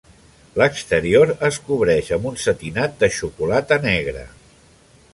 L'exterior es cobreix amb un setinat de xocolata negra.